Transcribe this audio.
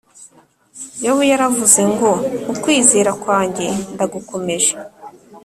yobu yaravuze ngo ukwizera kwanjye ndagukomeje